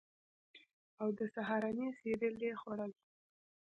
او د سهارنۍ سیریل یې خوړل